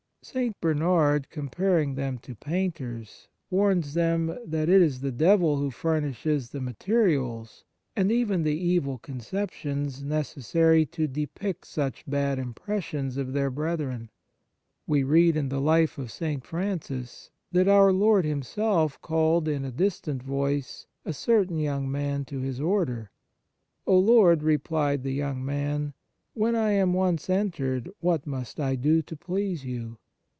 St. Bernard, comparing them to painters, warns them that it is the devil who furnishes the materials, and even the evil conceptions, necessary to depict such bad impressions of their brethren. We read in the "Life of St. Francis" that our Lord Himself called in a distinct voice a certain Fraternal Charity young man to his Order. " O Lord," replied the young man, "when I am once entered, what must I do to please You?"